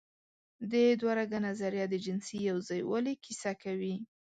د دوهرګه نظریه د جنسي یوځای والي کیسه کوي.